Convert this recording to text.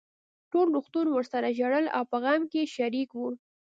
ټول روغتون ورسره ژړل او په غم کې يې شريک وو.